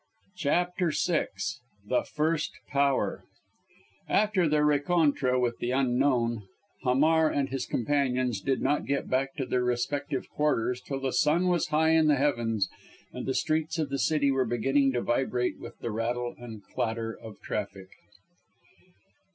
] CHAPTER VI THE FIRST POWER After their rencontre with the Unknown, Hamar and his companions did not get back to their respective quarters till the sun was high in the heavens, and the streets of the city were beginning to vibrate with the rattle and clatter of traffic.